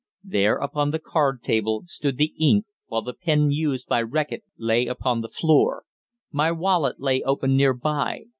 There, upon the card table, stood the ink, while the pen used by Reckitt lay upon the floor. My wallet lay open near by.